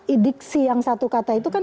i diksi yang satu kata itu kan